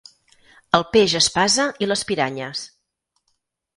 El peix espasa i les piranyes.